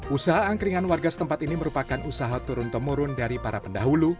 usaha angkringan warga setempat ini merupakan usaha turun temurun dari para pendahulu